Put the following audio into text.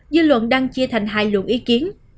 dư luận đang chia thành hai luận ý kiến